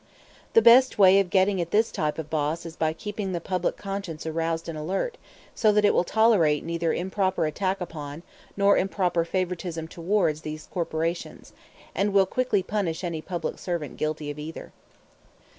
The best way of getting at this type of boss is by keeping the public conscience aroused and alert, so that it will tolerate neither improper attack upon, nor improper favoritism towards, these corporations, and will quickly punish any public servant guilty of either.